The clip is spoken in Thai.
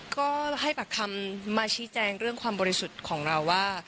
ก็ให้ปากคำมาชี้แจงเรื่องความบริสุทธิ์ของเราว่า